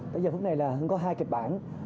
bây giờ phần này là hưng có hai kịch bản